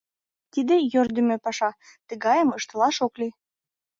Тиде йӧрдымӧ паша, тыгайым ыштылаш ок лий».